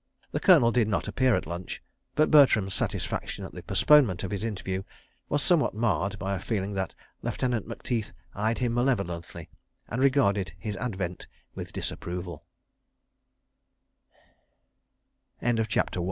The Colonel did not appear at lunch, but Bertram's satisfaction at the postponement of his interview was somewhat marred by a feeling that Lieutenant Macteith eyed him malevolently and regarded his advent wi